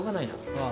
ああ。